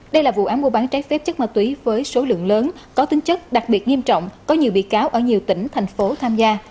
đây là vụ án mua bán trái phép chất ma túy với số lượng lớn có tính chất đặc biệt nghiêm trọng có nhiều bị cáo ở nhiều tỉnh thành phố tham gia